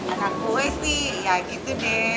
anak gue sih ya gitu deh